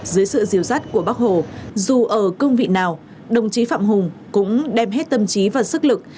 dưới sự diều sát của bác hồ dù ở công vị nào đồng chí phạm hùng cũng đem hết tâm trí và sức lực